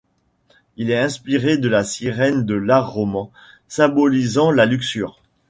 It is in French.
Il est inspiré de la sirène de l'art roman, symbolisant la luxure.